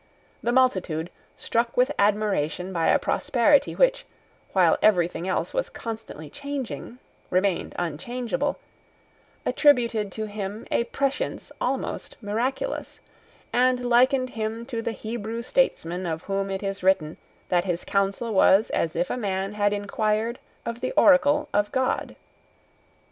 The multitude, struck with admiration by a prosperity which, while everything else was constantly changing, remained unchangeable, attributed to him a prescience almost miraculous, and likened him to the Hebrew statesman of whom it is written that his counsel was as if a man had inquired of the oracle of God.